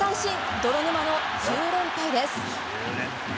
泥沼の１０連敗です。